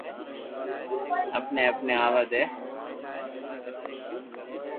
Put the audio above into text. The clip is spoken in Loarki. ايني ايني آوا دي